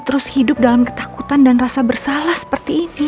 terus hidup dalam ketakutan dan rasa bersalah seperti ini